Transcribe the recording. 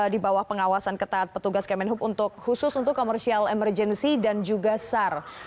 di bawah pengawasan ketat petugas kemenhub khusus untuk commercial emergency dan juga sar